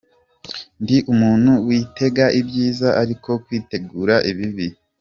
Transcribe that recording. Ndi umuntu witega ibyiza ariko kwitegura ibibi.